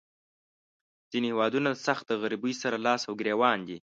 ځینې هیوادونه سخت د غریبۍ سره لاس او ګریوان دي.